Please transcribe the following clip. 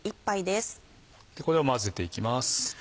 これを混ぜていきます。